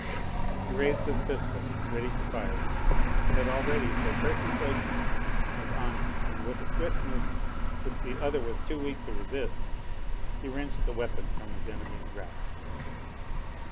He raised his pistol, ready to fire. But already Sir Percy Blakeney was on him, and with a swift movement, which the other was too weak to resist, he wrenched the weapon from his enemy's grasp.